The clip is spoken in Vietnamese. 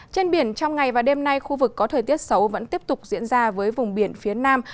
trên biển trong ngày và đêm nay khu vực có thời tiết xấu vẫn tiếp tục diễn ra với vùng biển phía nam